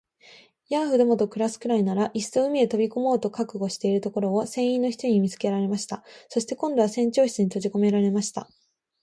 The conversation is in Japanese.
ヤーフどもと暮すくらいなら、いっそ海へ飛び込もうと覚悟しているところを、船員の一人に見つけられました。そして、今度は船長室にとじこめられました。